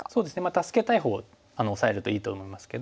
助けたいほうをオサえるといいと思いますけど。